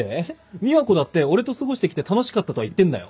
美和子だって俺と過ごしてきて楽しかったとは言ってんだよ？